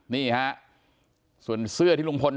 นี่ฮะส่วนเสื้อที่ลุงพล